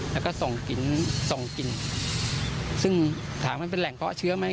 แล้วก็ส่งกินส่งกลิ่นซึ่งถามมันเป็นแหล่งเพาะเชื้อไหม